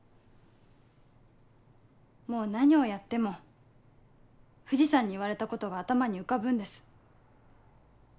もう何をやっても藤さんに言われたことが頭に浮かぶんです。